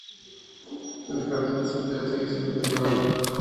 El jardín central sigue siendo privado.